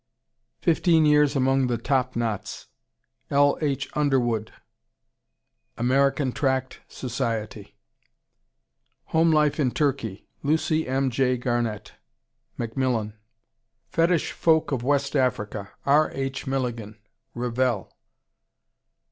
Fifteen Years Among the Top Knots, L. H. Underwood Am. Tract Soc. Home Life in Turkey, Lucy M. J. Garnett Macmillan. Fetish Folk of West Africa, R. H. Milligan Revell.